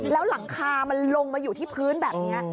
แล้วหลังคามันลงมาอยู่ที่พื้นแบบนี้